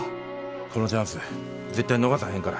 このチャンス絶対逃さへんから。